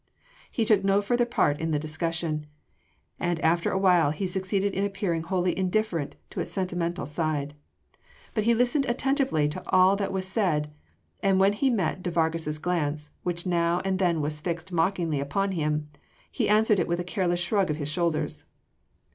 He took no further part in the discussion, and after awhile he succeeded in appearing wholly indifferent to its sentimental side; but he listened attentively to all that was said, and when he met de Vargas’ glance, which now and then was fixed mockingly upon him, he answered it with a careless shrug of the shoulders.